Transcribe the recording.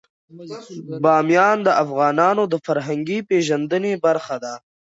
بامیان د افغانانو د فرهنګي پیژندنې برخه ده.